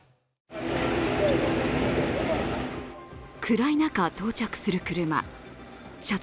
暗い中、到着する車。